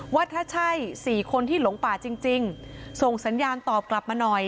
ว่าถ้าใช่๔คนที่หลงป่าจริงส่งสัญญาณตอบกลับมาหน่อย